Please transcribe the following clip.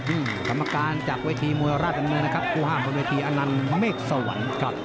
อืมคำการจากวิธีมวยราฐนาภัยมือนะครับครัวห้ามบนวิธีอนัลเมฆสวรรค์